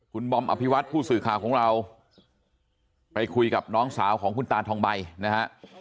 คุณบอมอภิวัตผู้สื่อข่าวของเราไปคุยกับน้องสาวของคุณตาทองใบนะฮะ